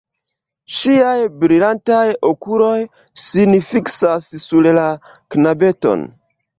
Ŝiaj brilantaj okuloj sin fiksas sur la knabeton.